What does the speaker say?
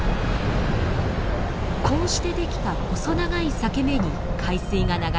こうして出来た細長い裂け目に海水が流れ込みます。